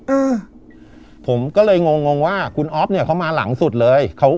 อ่าผมก็เลยงงงงว่าคุณอ๊อฟเนี่ยเขามาหลังสุดเลยเขา